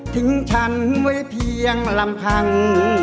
ฉันไว้เพียงลำพัง